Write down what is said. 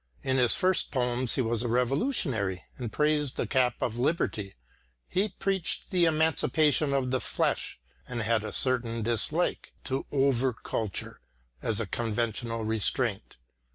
In his first poems he was a revolutionary and praised the cap of liberty; he preached the emancipation of the flesh and had a certain dislike to over culture as a conventional restraint.